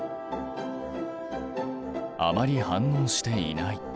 あまり反応していない。